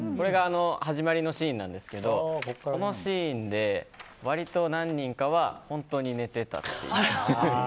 始まりのシーンなんですけどこのシーンで割と何人かは本当に寝てたっていう。